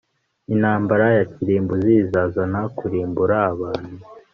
intambara ya kirimbuzi izazana kurimbura abantu